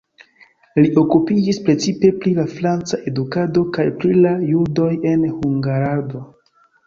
Li okupiĝis precipe pri la franca edukado kaj pri la judoj en Hungarlando.